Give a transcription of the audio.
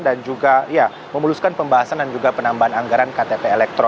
dan juga ya memuluskan pembahasan dan juga penambahan anggaran ktp